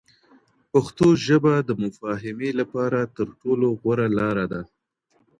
پښتو ژبه د مفاهمي لپاره تر ټولو غوره لار ده.